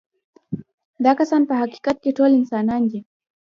دا کسان په حقیقت کې ټول انسانان دي.